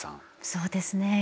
そうですね